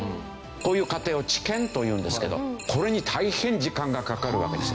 こういう過程を治験というんですけどこれに大変時間がかかるわけです。